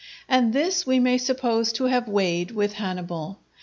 And this we may suppose to have weighed with Hannibal.